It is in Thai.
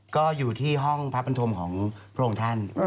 ก็อยู่ที่ห้องพระปันธมของพระองค์ท่าน